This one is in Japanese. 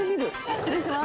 失礼します。